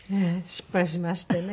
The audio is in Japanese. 失敗しましてね。